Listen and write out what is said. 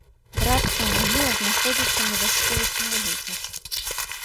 Брацкая магіла знаходзіцца на вясковых могілках.